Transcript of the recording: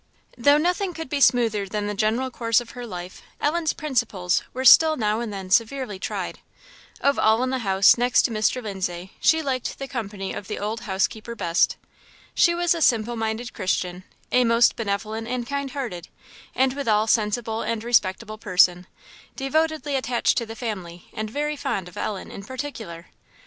Though nothing could be smoother than the general course of her life, Ellen's principles were still now and then severely tried. Of all in the house, next to Mr. Lindsay, she liked the company of the old housekeeper best. She was a simple minded Christian, a most benevolent and kind hearted, and withal sensible and respectable person; devotedly attached to the family, and very fond of Ellen in particular.